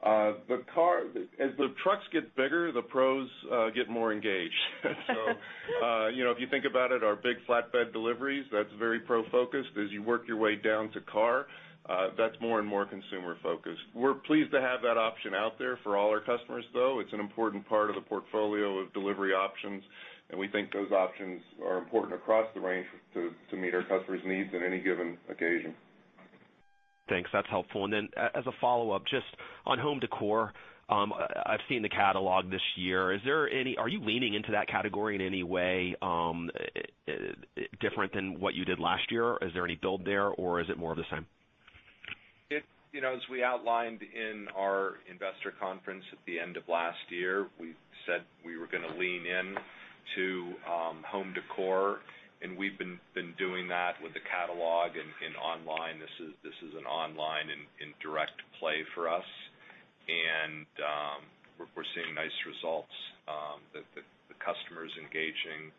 As the trucks get bigger, the pros get more engaged. If you think about it, our big flatbed deliveries, that's very pro-focused. As you work your way down to car, that's more and more consumer-focused. We're pleased to have that option out there for all our customers, though. It's an important part of the portfolio of delivery options, and we think those options are important across the range to meet our customers' needs in any given occasion. Thanks. That's helpful. Then as a follow-up, just on home decor. I've seen the catalog this year. Are you leaning into that category in any way different than what you did last year? Is there any build there, or is it more of the same? We outlined in our investor conference at the end of last year, we said we were going to lean into home decor, and we've been doing that with the catalog and in online. This is an online and direct play for us. We're seeing nice results that the customer is engaging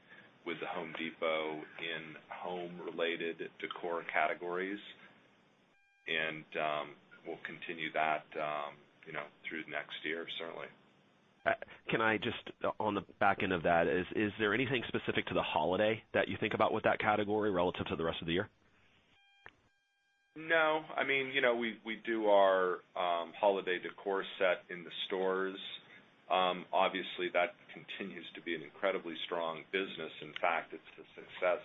with The Home Depot in home-related decor categories. We'll continue that through next year, certainly. Can I just on the back end of that, is there anything specific to the holiday that you think about with that category relative to the rest of the year? No. We do our holiday decor set in the stores. Obviously, that continues to be an incredibly strong business. In fact, it's the success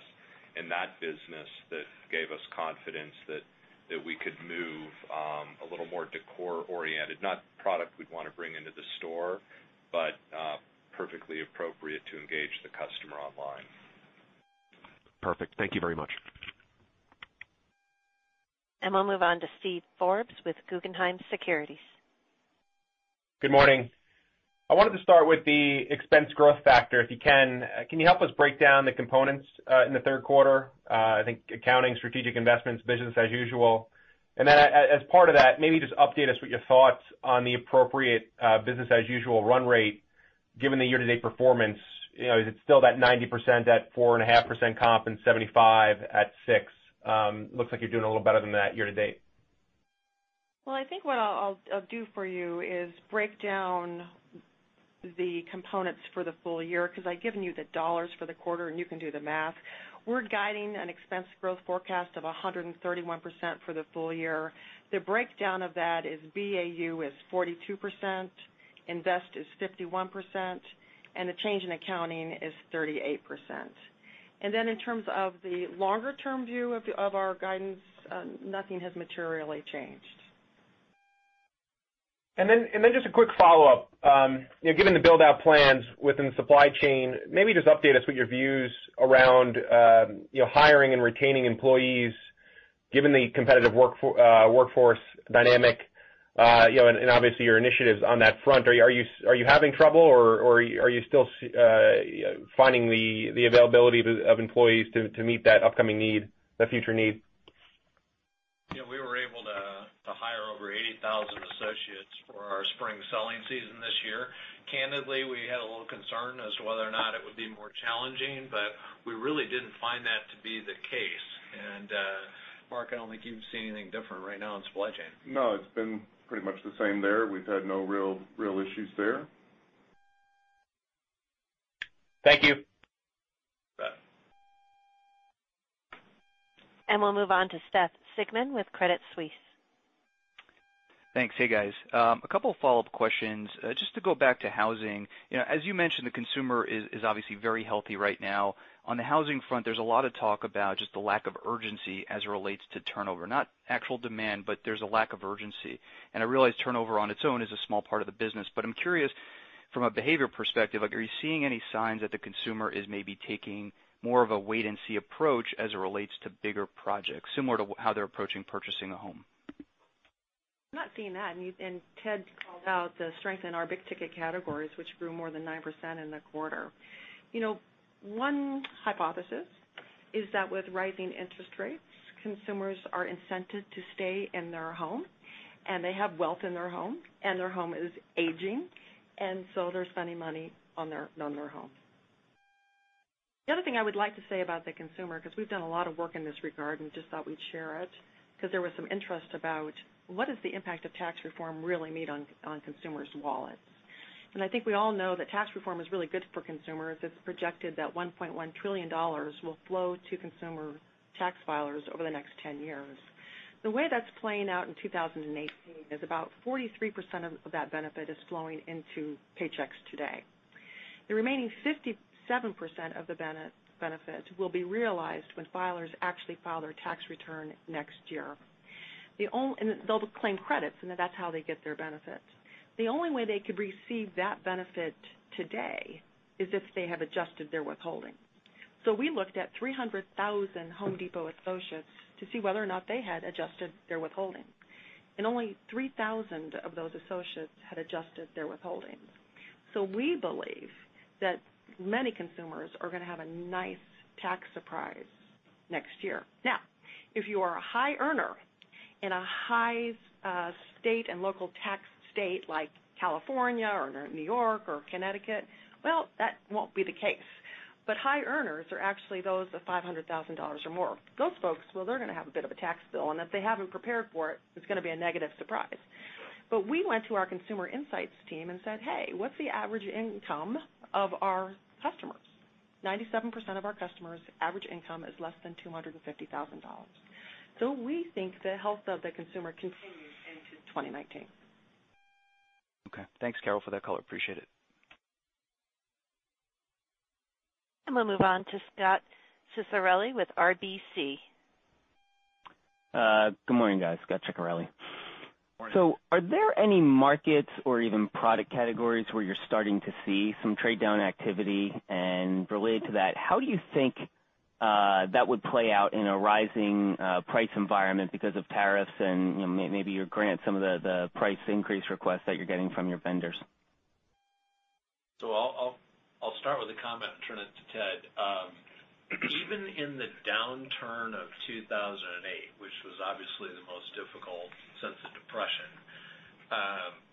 in that business that gave us confidence that we could move a little more decor-oriented, not product we'd want to bring into the store, but perfectly appropriate to engage the customer online. Perfect. Thank you very much. We'll move on to Steven Forbes with Guggenheim Securities. Good morning. I wanted to start with the expense growth factor, if you can. Can you help us break down the components in the third quarter? I think accounting, strategic investments, business as usual. As part of that, maybe just update us what your thoughts on the appropriate business-as-usual run rate, given the year-to-date performance. Is it still that 90% at 4.5% comp and 75 at six? Looks like you're doing a little better than that year to date. Well, I think what I'll do for you is break down the components for the full year, because I've given you the dollars for the quarter, and you can do the math. We're guiding an expense growth forecast of 131% for the full year. The breakdown of that is BAU is 42%, invest is 51%, and the change in accounting is 38%. In terms of the longer-term view of our guidance, nothing has materially changed. Just a quick follow-up. Given the build-out plans within the supply chain, maybe just update us with your views around hiring and retaining employees, given the competitive workforce dynamic, and obviously your initiatives on that front. Are you having trouble, or are you still finding the availability of employees to meet that upcoming need, the future need? We were able to hire over 80,000 associates for our spring selling season this year. Candidly, we had a little concern as to whether or not it would be more challenging, but we really didn't find that to be the case. Mark, I don't think you've seen anything different right now in supply chain. No, it's been pretty much the same there. We've had no real issues there. Thank you. We'll move on to Seth Sigman with Credit Suisse. Thanks. Hey, guys. A couple follow-up questions. Just to go back to housing. As you mentioned, the consumer is obviously very healthy right now. On the housing front, there's a lot of talk about just the lack of urgency as it relates to turnover. Not actual demand, but there's a lack of urgency. I realize turnover on its own is a small part of the business. I'm curious from a behavior perspective, are you seeing any signs that the consumer is maybe taking more of a wait-and-see approach as it relates to bigger projects, similar to how they're approaching purchasing a home? I'm not seeing that. Ted called out the strength in our big-ticket categories, which grew more than 9% in the quarter. One hypothesis is that with rising interest rates, consumers are incented to stay in their home, and they have wealth in their home, and their home is aging, and so they're spending money on their home. The other thing I would like to say about the consumer, because we've done a lot of work in this regard, and just thought we'd share it because there was some interest about what is the impact of tax reform really mean on consumers' wallets. I think we all know that tax reform is really good for consumers. It's projected that $1.1 trillion will flow to consumer tax filers over the next 10 years. The way that's playing out in 2018 is about 43% of that benefit is flowing into paychecks today. The remaining 57% of the benefit will be realized when filers actually file their tax return next year. They'll claim credits, and that's how they get their benefits. The only way they could receive that benefit today is if they have adjusted their withholding. We looked at 300,000 Home Depot associates to see whether or not they had adjusted their withholding, and only 3,000 of those associates had adjusted their withholding. We believe that many consumers are going to have a nice tax surprise next year. Now, if you are a high earner in a high state and local tax state like California or New York or Connecticut, well, that won't be the case. High earners are actually those with $500,000 or more. Those folks, well, they're going to have a bit of a tax bill, and if they haven't prepared for it's going to be a negative surprise. We went to our consumer insights team and said, "Hey, what's the average income of our customers?" 97% of our customers' average income is less than $250,000. We think the health of the consumer continues into 2019. Okay. Thanks, Carol, for that color. Appreciate it. We'll move on to Scot Ciccarelli with RBC. Good morning, guys. Scot Ciccarelli. Morning. Are there any markets or even product categories where you're starting to see some trade-down activity? Related to that, how do you think that would play out in a rising price environment because of tariffs and maybe you grant some of the price increase requests that you're getting from your vendors? I'll start with a comment and turn it to Ted. Even in the downturn of 2008, which was obviously the most difficult since the Depression,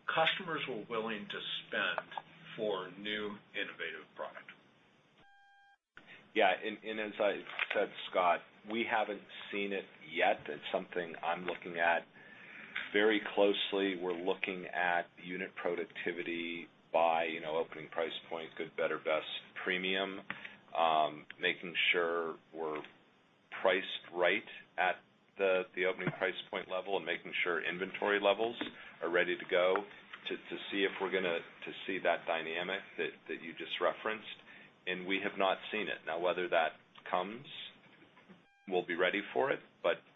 customers were willing to spend for new, innovative product. As I said, Scot, we haven't seen it yet. It's something I'm looking at very closely. We're looking at unit productivity by opening price point, good, better, best, premium. Making sure we're priced right at the opening price point level and making sure inventory levels are ready to go to see if we're going to see that dynamic that you just referenced. We have not seen it. Whether that comes, we'll be ready for it.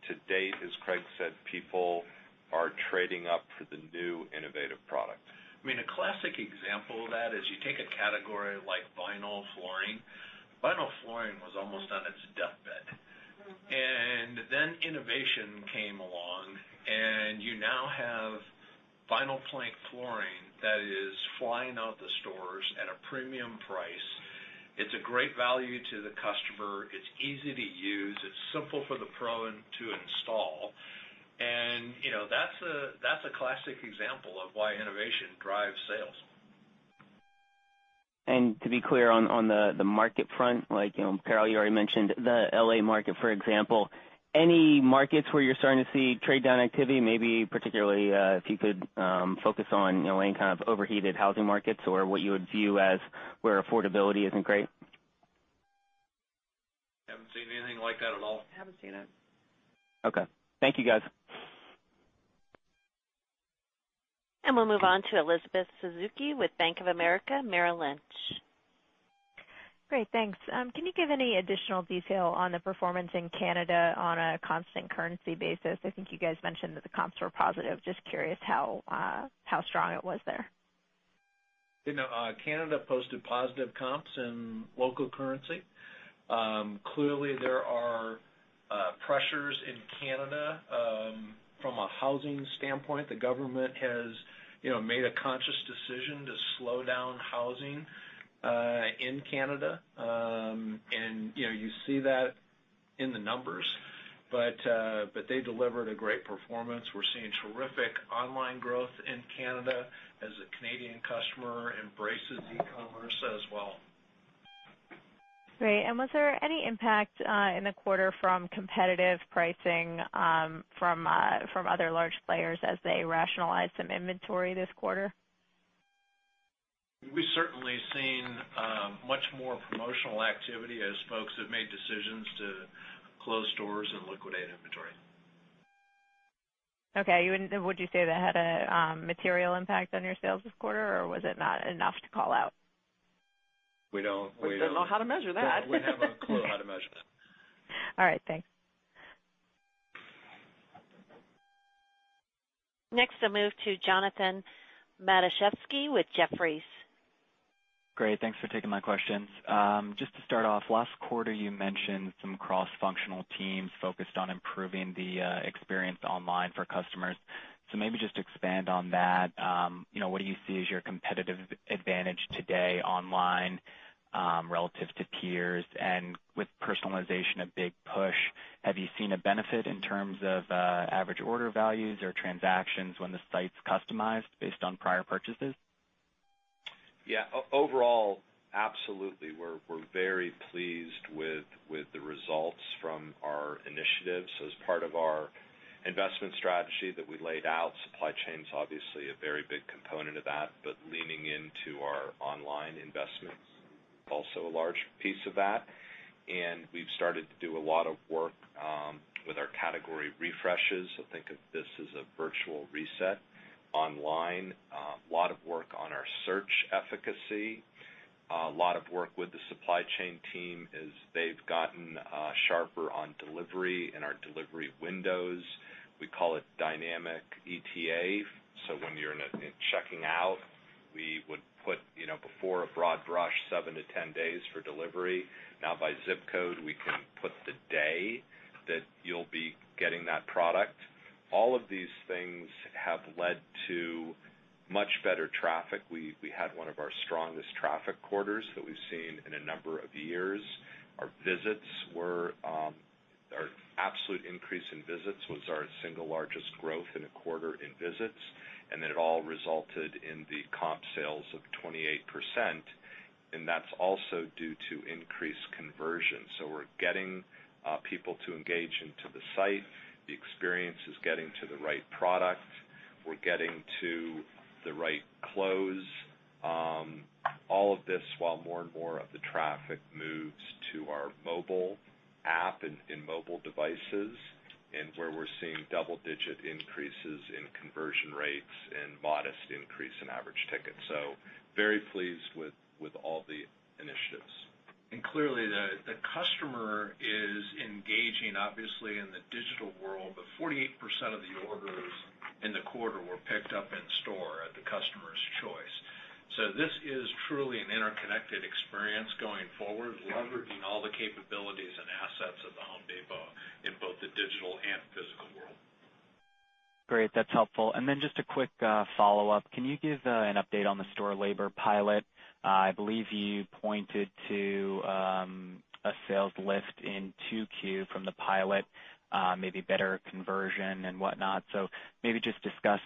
To date, as Craig said, people are trading up for the new innovative product. A classic example of that is you take a category like vinyl flooring. Vinyl flooring was almost on its deathbed. Then innovation came along, and you now have vinyl plank flooring that is flying out the stores at a premium price. It's a great value to the customer. It's easy to use. It's simple for the pro to install. That's a classic example of why innovation drives sales. To be clear on the market front, like Carol, you already mentioned the L.A. market, for example. Any markets where you're starting to see trade-down activity, maybe particularly if you could focus on any kind of overheated housing markets or what you would view as where affordability isn't great? Haven't seen anything like that at all. Haven't seen it. Okay. Thank you, guys. We'll move on to Elizabeth Suzuki with Bank of America Merrill Lynch. Great, thanks. Can you give any additional detail on the performance in Canada on a constant currency basis? I think you guys mentioned that the comps were positive. Just curious how strong it was there. Canada posted positive comps in local currency. Clearly, there are pressures in Canada from a housing standpoint. The government has made a conscious decision to slow down housing in Canada. You see that in the numbers. They delivered a great performance. We're seeing terrific online growth in Canada as the Canadian customer embraces e-commerce as well. Great. Was there any impact in the quarter from competitive pricing from other large players as they rationalize some inventory this quarter? We've certainly seen much more promotional activity as folks have made decisions to close stores and liquidate inventory. Okay. Would you say that had a material impact on your sales this quarter, or was it not enough to call out? We don't We don't know how to measure that. We have no clue how to measure that. All right. Thanks. Next, I'll move to Jonathan Matuszewski with Jefferies. Great. Thanks for taking my questions. Just to start off, last quarter you mentioned some cross-functional teams focused on improving the experience online for customers. Maybe just expand on that. What do you see as your competitive advantage today online, relative to peers? With personalization a big push, have you seen a benefit in terms of average order values or transactions when the site's customized based on prior purchases? Yeah. Overall, absolutely. We're very pleased with the results from our initiatives as part of our investment strategy that we laid out. Supply chain's obviously a very big component of that, but leaning into our online investments, also a large piece of that. We've started to do a lot of work with our category refreshes. Think of this as a virtual reset online. A lot of work on our search efficacy. A lot of work with the supply chain team as they've gotten sharper on delivery and our delivery windows. We call it dynamic ETA. When you're checking out, we would put before a broad brush, seven to 10 days for delivery. Now by zip code, we can put the day that you'll be getting that product. All of these things have led to much better traffic. We had one of our strongest traffic quarters that we've seen in a number of years. Our absolute increase in visits was our single largest growth in a quarter in visits, it all resulted in the comp sales of 28%, and that's also due to increased conversion. We're getting people to engage into the site. The experience is getting to the right product. We're getting to the right close. All of this while more and more of the traffic moves to our mobile app and mobile devices, where we're seeing double-digit increases in conversion rates and modest increase in average ticket. Very pleased with all the initiatives. Clearly, the customer is engaging, obviously, in the digital world, but 48% of the orders in the quarter were picked up in store at the customer's choice. This is truly an interconnected experience going forward, leveraging all the capabilities and assets of The Home Depot in both the digital and physical world. Great. That's helpful. Just a quick follow-up. Can you give an update on the store labor pilot? I believe you pointed to a sales lift in 2Q from the pilot, maybe better conversion and whatnot. Maybe just discuss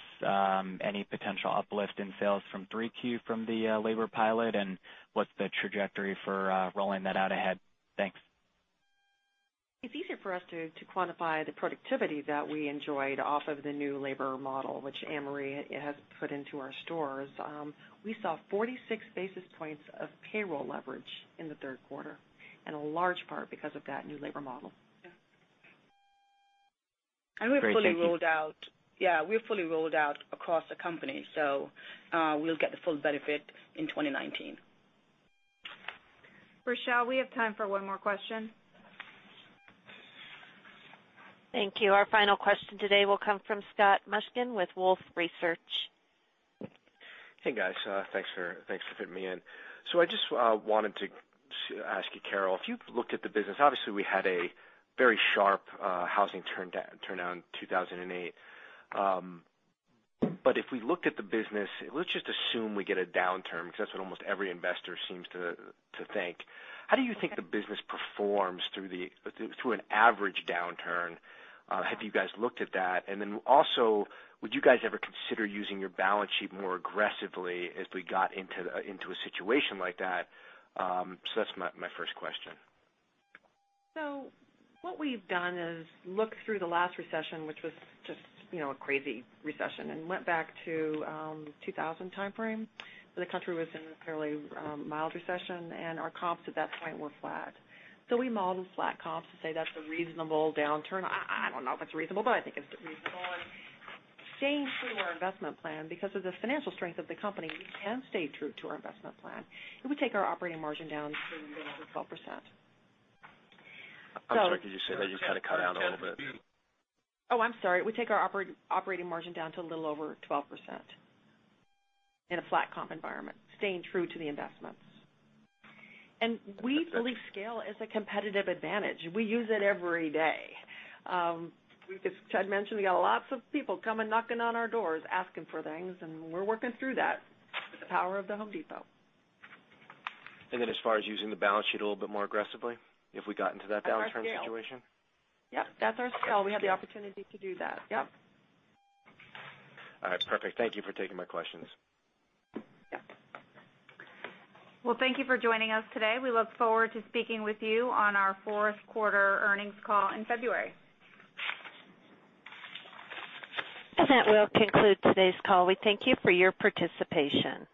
any potential uplift in sales from 3Q from the labor pilot and what's the trajectory for rolling that out ahead. Thanks. It's easier for us to quantify the productivity that we enjoyed off of the new labor model, which Ann-Marie has put into our stores. We saw 46 basis points of payroll leverage in the third quarter, a large part because of that new labor model. Yeah. Great. Thank you. We're fully rolled out across the company, so we'll get the full benefit in 2019. Rochelle, we have time for one more question. Thank you. Our final question today will come from Scott Mushkin with Wolfe Research. Hey, guys. Thanks for fitting me in. I just wanted to ask you, Carol, if you've looked at the business, obviously we had a very sharp housing turn down in 2008. If we looked at the business, let's just assume we get a downturn because that's what almost every investor seems to think. How do you think the business performs through an average downturn? Have you guys looked at that? Would you guys ever consider using your balance sheet more aggressively as we got into a situation like that? That's my first question. What we've done is look through the last recession, which was just a crazy recession, and went back to 2000 timeframe, where the country was in a fairly mild recession, and our comps at that point were flat. We modeled flat comps to say that's a reasonable downturn. I don't know if it's reasonable, but I think it's reasonable. Staying true to our investment plan because of the financial strength of the company, we can stay true to our investment plan. It would take our operating margin down to a little over 12%. I'm sorry, could you say that again? It cut out a little bit. Oh, I'm sorry. It would take our operating margin down to a little over 12% in a flat comp environment, staying true to the investments. We believe scale is a competitive advantage. We use it every day. As Ted mentioned, we got lots of people coming knocking on our doors asking for things, and we're working through that with the power of The Home Depot. Then as far as using the balance sheet a little bit more aggressively if we got into that downturn situation? That's our scale. Yep. That's our scale. We have the opportunity to do that. Yep. All right. Perfect. Thank you for taking my questions. Yep. Thank you for joining us today. We look forward to speaking with you on our fourth quarter earnings call in February. That will conclude today's call. We thank you for your participation.